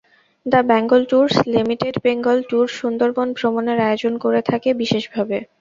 The Bengal tours limited Bengal tour Sundarban ভ্রমণের আয়োজন করে থাকে বিশেষভাবে।